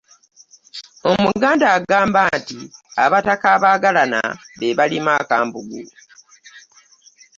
Omuganda agamba nti Abataka abaagalana be balima akambugu.